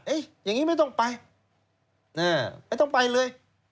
อย่างนี้ไม่ต้องไปไม่ต้องไปเลย